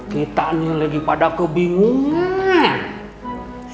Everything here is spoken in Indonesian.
kita ini lagi pada kebingungan